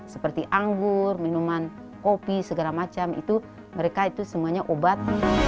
seperti anggur minuman kopi segala macam itu mereka itu semuanya obat